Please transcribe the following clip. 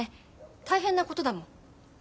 大変なことだもん。